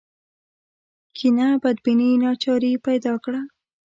کینه بدبیني ناچاري پیدا کړه